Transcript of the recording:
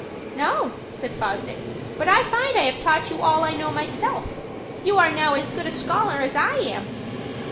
"No," said Fosdick, "but I find I have taught you all I know myself. You are now as good a scholar as I am."